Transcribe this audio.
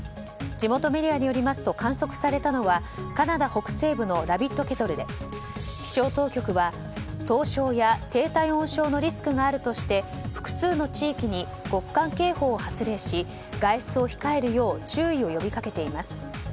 地元メディアによりますと観測されたのはカナダ北西部のラビットケトルで気象当局は凍傷や低体温症のリスクがあるとして複数の地域に極寒警報を発令し外出を控えるよう注意を呼びかけています。